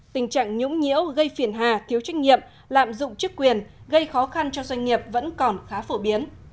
tình trạng nhũng nhiễu gây phiền hà thiếu trách nhiệm lạm dụng chức quyền gây khó khăn cho doanh nghiệp vẫn còn khá phổ biến